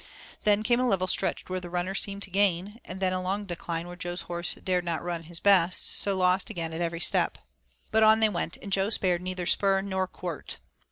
Then came a level stretch where the runner seemed to gain, and then a long decline where Jo's horse dared not run his best, so lost again at every step. But on they went, and Jo spared neither spur nor quirt.